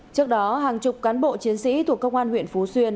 trước đó hàng chục cán bộ chiến sĩ thuộc công an huyện phú xuyên